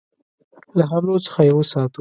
له حملو څخه یې وساتو.